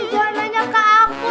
jangan nanya ke aku